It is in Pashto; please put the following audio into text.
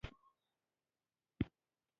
وخت د پېښو د ترتیب اندازه ده.